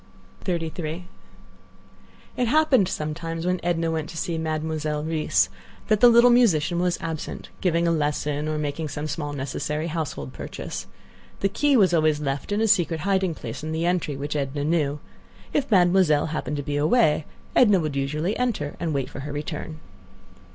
XXXIII It happened sometimes when Edna went to see Mademoiselle Reisz that the little musician was absent, giving a lesson or making some small necessary household purchase. The key was always left in a secret hiding place in the entry, which Edna knew. If Mademoiselle happened to be away, Edna would usually enter and wait for her return.